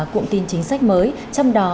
cụm tin chính sách mới trong đó